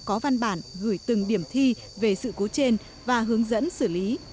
có văn bản gửi từng điểm thi về sự cố trên và hướng dẫn xử lý